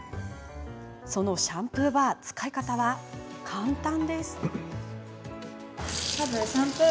その、シャンプーバー使い方は簡単。